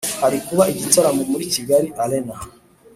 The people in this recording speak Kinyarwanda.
Harikuba igitaramo muri Kigali arena